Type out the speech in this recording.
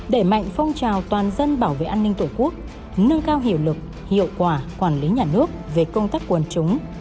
đẩy mạnh phong trào toàn dân bảo vệ an ninh tổ quốc nâng cao hiệu lực hiệu quả quản lý nhà nước về công tác quần chúng